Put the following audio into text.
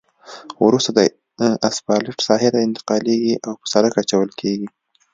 وروسته دا اسفالټ ساحې ته انتقالیږي او په سرک اچول کیږي